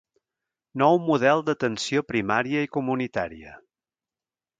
Nou model d'atenció primària i comunitària.